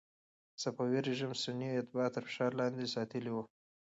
صفوي رژیم سني اتباع تر فشار لاندې ساتلي ول.